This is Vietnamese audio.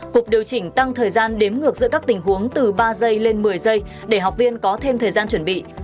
cục điều chỉnh tăng thời gian đếm ngược giữa các tình huống từ ba giây lên một mươi giây để học viên có thêm thời gian chuẩn bị